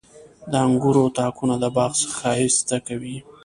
• د انګورو تاکونه د باغ ښایست کوي.